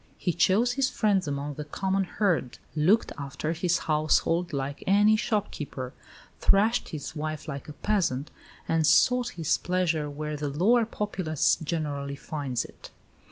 "He chose his friends among the common herd; looked after his household like any shopkeeper; thrashed his wife like a peasant; and sought his pleasure where the lower populace generally finds it."